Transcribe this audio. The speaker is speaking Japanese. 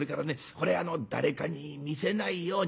これあの誰かに見せないように」。